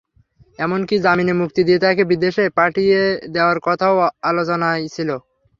এমনকি জামিনে মুক্তি দিয়ে তাঁকে বিদেশে পাঠিয়ে দেওয়ার কথাও আলোচনায় ছিল।